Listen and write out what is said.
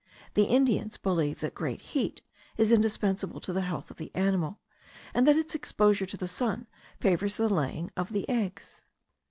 The Indians believe that great heat is indispensable to the health of the animal, and that its exposure to the sun favours the laying of the eggs.